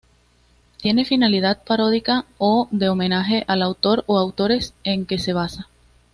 Tiene finalidad paródica o de homenaje al autor o autores en que se basa.